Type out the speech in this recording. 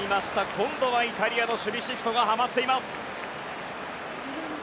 今度はイタリアの守備シフトがはまっています。